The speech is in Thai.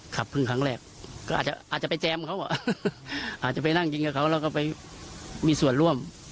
กลับเพิ่งคลังแรกก็อาจจะอาจจะไปแจมเขาอาจจะไปนั่งกินกับเขาก็ไปมีส่วนร่วม